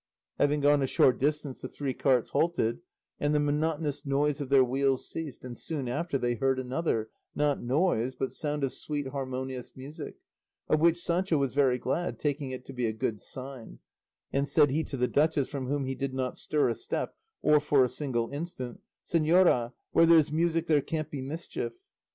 Having gone a short distance the three carts halted and the monotonous noise of their wheels ceased, and soon after they heard another, not noise, but sound of sweet, harmonious music, of which Sancho was very glad, taking it to be a good sign; and said he to the duchess, from whom he did not stir a step, or for a single instant, "Señora, where there's music there can't be mischief."